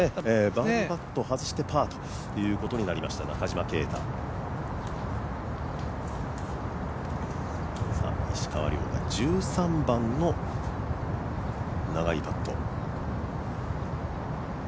バーディーパットを外してパーということになりました中島啓太、さあ、石川遼が１３番の長いパット。